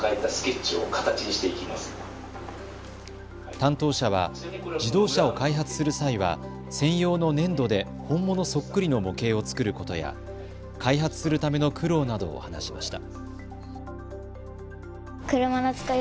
担当者は自動車を開発する際は専用の粘土で本物そっくりの模型を作ることや開発するための苦労などを話しました。